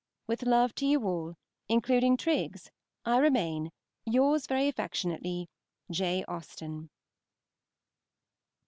With love to you all, including Triggs, I remain, Yours very affectionately, J. AUSTEN.